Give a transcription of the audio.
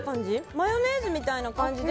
マヨネーズみたいな感じで。